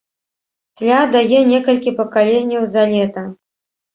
Тля дае некалькі пакаленняў за лета.